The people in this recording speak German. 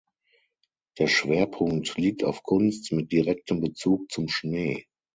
Der Schwerpunkt liegt auf Kunst mit direktem Bezug zum Schnee.